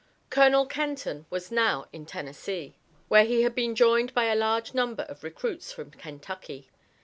Colonel Kenton was now in Tennessee, where he had been joined by a large number of recruits from Kentucky.